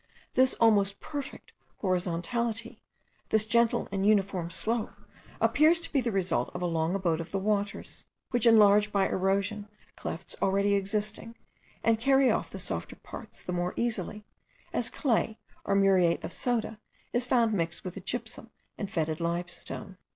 This almost perfect horizontality, this gentle and uniform slope, appears to be the result of a long abode of the waters, which enlarge by erosion clefts already existing, and carry off the softer parts the more easily, as clay or muriate of soda is found mixed with the gypsum and fetid limestone.